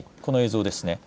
この映像ですね。